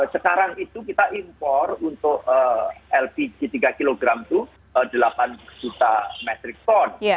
sekarang itu kita impor untuk lpg tiga kg itu delapan juta metric ton